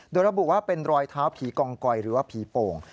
โดยระบุว่าเป็นรอยเท้าผีกองกอยหรือว่าผีโป่ง